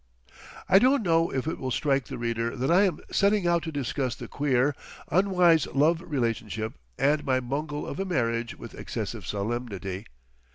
I don't know if it will strike the reader that I am setting out to discuss the queer, unwise love relationship and my bungle of a marriage with excessive solemnity.